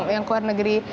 yang keluar negeri